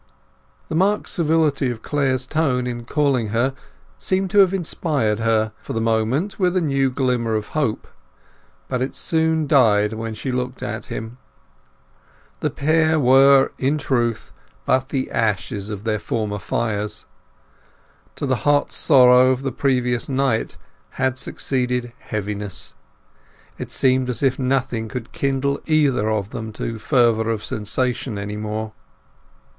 The marked civility of Clare's tone in calling her seemed to have inspired her, for the moment, with a new glimmer of hope. But it soon died when she looked at him. The pair were, in truth, but the ashes of their former fires. To the hot sorrow of the previous night had succeeded heaviness; it seemed as if nothing could kindle either of them to fervour of sensation any more.